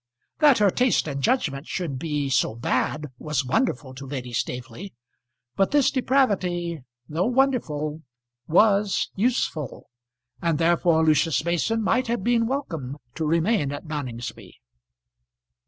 That her taste and judgment should be so bad was wonderful to Lady Staveley; but this depravity though wonderful was useful; and therefore Lucius Mason might have been welcome to remain at Noningsby.